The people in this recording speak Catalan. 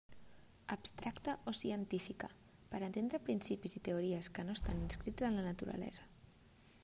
Abstracta o científica: per entendre principis i teories que no estan inscrits en la naturalesa.